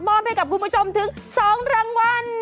ให้กับคุณผู้ชมถึง๒รางวัล